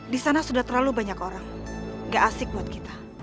di sana sudah terlalu banyak orang gak asik buat kita